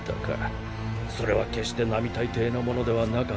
それは決して並大抵のものではなかったはずでしょう？